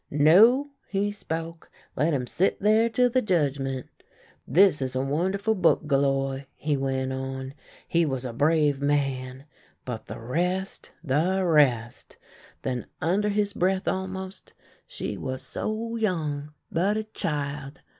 ' No,' he spoke, ' let him sit there till the Judgmen'. This is a wonderful book, Galloir,' he went on. * He was a brave man, but the rest !— the rest !'— then under his breath almost :' She was so young — but a child.'